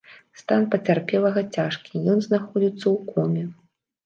Стан пацярпелага цяжкі, ён знаходзіцца ў коме.